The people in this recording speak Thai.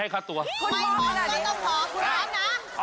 แต่ว่าเดี๋ยวถามก่อนก็ว่าทุกคนพร้อมไหมคะ